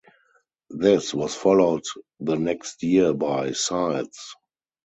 This was followed the next year by "Sides".